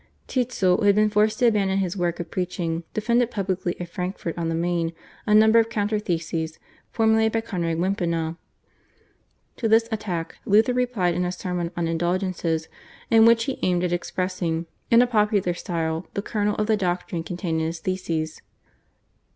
Tetzel, who had been forced to abandon his work of preaching, defended publicly at Frankfurt on the Maine a number of counter theses formulated by Conrad Wimpina. To this attack Luther replied in a sermon on indulgences in which he aimed at expressing in a popular style the kernel of the doctrine contained in his theses.